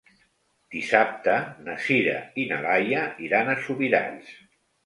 Dissabte na Sira i na Laia iran a Subirats.